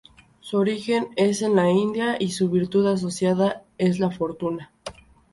Su origen es en la India y su virtud asociada es la fortuna.